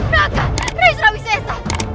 raka rai serawisesa